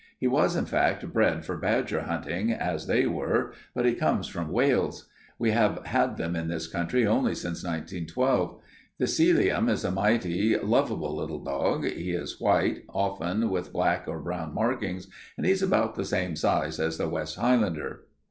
He was, in fact, bred for badger hunting, as they were, but he comes from Wales. We have had them in this country only since 1912. The Sealyham is a mighty lovable little dog. He is white, often with black or brown markings, and he's about the same size as the West Highlander.